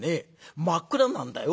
真っ暗なんだよ？